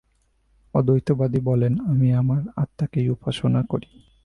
অদ্বৈতবাদী বলেন আমি আমার আত্মাকেই উপাসনা করি।